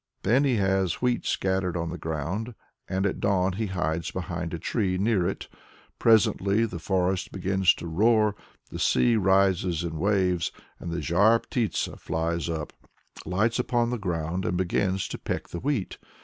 Then he has wheat scattered on the ground, and at dawn he hides behind a tree near it. "Presently the forest begins to roar, the sea rises in waves, and the Zhar Ptitsa flies up, lights upon the ground and begins to peck the wheat."